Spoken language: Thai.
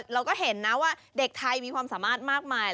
เราก็เห็นนะว่าเด็กไทยมีความสามารถมากมาย